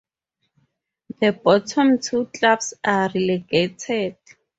The bottom two clubs are relegated.